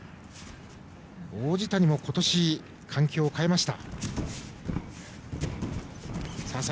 王子谷も今年、環境を変えました。